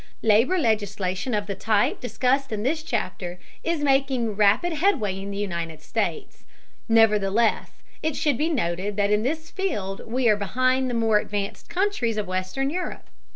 Labor legislation of the type discussed in this chapter is making rapid headway in the United States. Nevertheless, it should be noted that in this field we are behind the more advanced countries of western Europe.